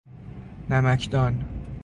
نمکدان